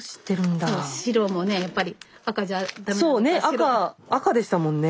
赤赤でしたもんね。